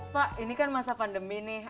pak ini kan masa pandemi nih